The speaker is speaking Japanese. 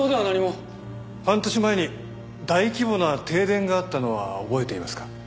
半年前に大規模な停電があったのは覚えていますか？